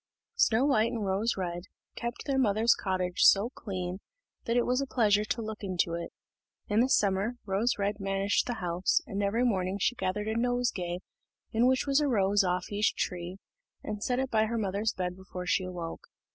Snow white and Rose red kept their mother's cottage so clean, that it was a pleasure to look into it. In the summer, Rose red managed the house, and every morning she gathered a nosegay in which was a rose off each tree, and set it by her mother's bed before she awoke.